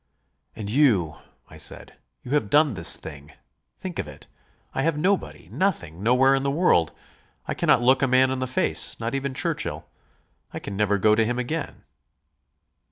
"And you ..." I said, "you have done this thing! Think of it!... I have nobody nothing nowhere in the world. I cannot look a man in the face, not even Churchill. I can never go to him again."